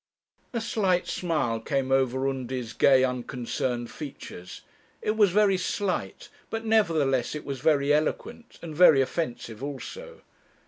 A slight smile came over Undy's gay unconcerned features; it was very slight, but nevertheless it was very eloquent and very offensive also.